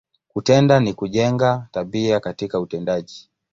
Kutenda, ni kujenga, tabia katika utendaji.